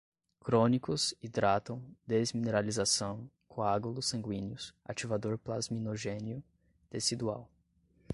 crônicos, hidratam, desmineralização, coágulos sanguíneos, ativador, plasminogênio tecidual